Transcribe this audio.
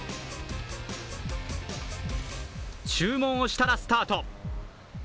注文をしたらスタート。